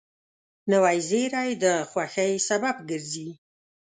نوې زېری د خوښۍ سبب ګرځي